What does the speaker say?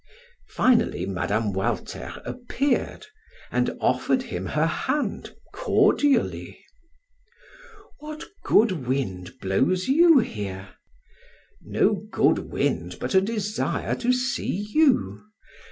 Finally Mme. Walter appeared and offered him her hand cordially. "What good wind blows you here?" "No good wind, but a desire to see you.